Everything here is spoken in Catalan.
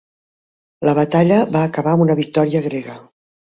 La batalla va acabar amb una victòria grega.